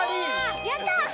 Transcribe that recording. やった！